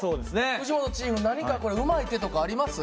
藤本チーフ何かこれうまい手とかあります？